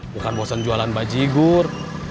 bukan bosen jualan bajigur